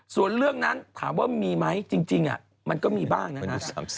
ส่วนเรื่องนั้นถามว่ามีไหมจริงมันก็มีบ้างนะ